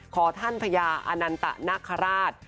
ขอท่านพระยาอนันตนักฮราช